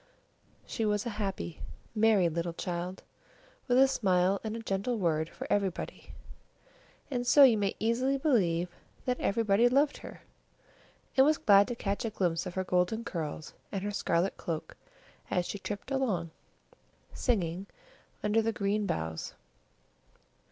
She was a happy, merry little child, with a smile and a gentle word for everybody, and so you may easily believe that everybody loved her, and was glad to catch a glimpse of her golden curls and her scarlet cloak as she tripped along, singing, under the green boughs.